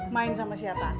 main sama siapa